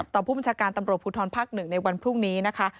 ต่อผู้บัญชาการตำรวจภูทรภักดิ์หนึ่งในวันพรุ่งนี้นะคะ